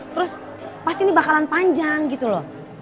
terus pasti ini bakalan panjang gitu loh